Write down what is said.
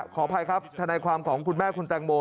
ขออภัยครับทนายความของคุณแม่คุณแตงโม